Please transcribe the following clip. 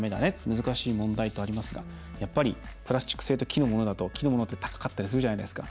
難しい問題」とありますがやっぱりプラスチック製と木のものだと木のものって高かったりするじゃないですか。